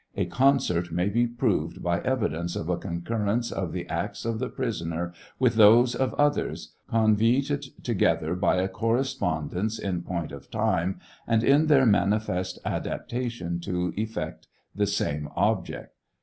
A concert may be proved by evidence of a concurrence of the acts of the prisoner with those of others, convicted together by a correspondence in point of time and in their manifest adaptation to effect the same object.